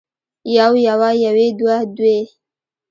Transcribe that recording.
يو يوه يوې دوه دوې